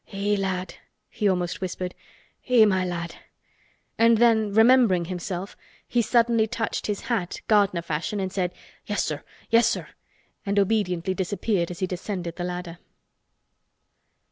"Eh! lad," he almost whispered. "Eh! my lad!" And then remembering himself he suddenly touched his hat gardener fashion and said, "Yes, sir! Yes, sir!" and obediently disappeared as he descended the ladder.